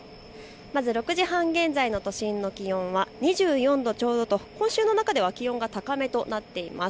まず６時半現在の都心の気温は２４度ちょうどと今週の中では気温が高めとなっています。